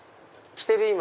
着てる今。